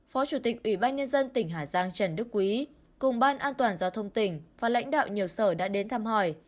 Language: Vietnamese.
phó chủ tịch ủy ban nhân dân tỉnh hà giang trần đức quý cùng ban an toàn giao thông tỉnh và lãnh đạo nhiều sở đã đến thăm hỏi